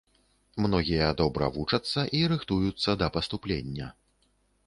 Многія добра вучацца і рыхтуюцца да паступлення.